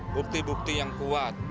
bukti bukti yang kuat